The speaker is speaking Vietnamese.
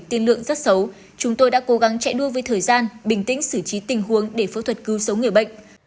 tiên lượng rất xấu chúng tôi đã cố gắng chạy đua với thời gian bình tĩnh xử trí tình huống để phẫu thuật cứu sống người bệnh